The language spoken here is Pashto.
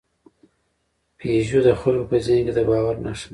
پيژو د خلکو په ذهن کې د باور نښه ده.